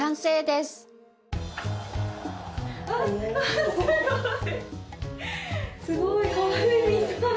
すごい！